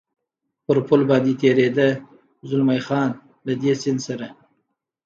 پر پل باندې تېرېده، زلمی خان: له دې سیند سره.